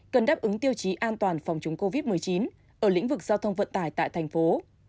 cần đáp ứng tiêu chí an toàn phòng chống covid một mươi chín ở lĩnh vực giao thông vận tải tại thành phố